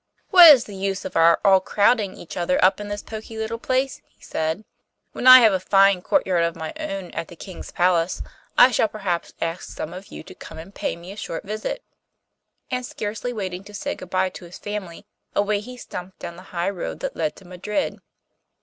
'What is the use of our all crowding each other up in this poky little place?' he said. 'When I have a fine courtyard of my own at the King's palace, I shall perhaps ask some of you to come and pay me a short visit,' and scarcely waiting to say good bye to his family, away he stumped down the high road that led to Madrid.